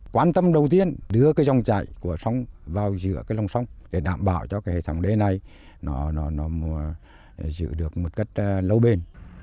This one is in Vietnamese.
quan tâm đầu tiên đưa cái dòng chảy của sông vào giữa cái lòng sông để đảm bảo cho cái hệ thống đê này nó giữ được một cách lâu bền